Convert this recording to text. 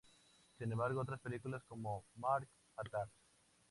Sin embargo, otras películas como "Mars Attacks!